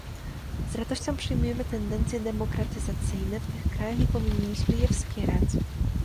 Z radością przyjmujemy tendencje demokratyzacyjne w tych krajach i powinniśmy je wspierać